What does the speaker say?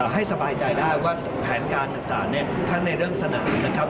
ให้สบายใจได้ว่าแผนการต่างเนี่ยท่านได้เริ่มเสนอนะครับ